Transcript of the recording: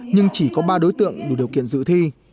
nhưng chỉ có ba đối tượng đủ điều kiện dự thi